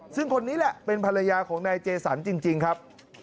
ซึ่งคนนี้แหละเป็นภรรยาของนายเจสันจริงครับ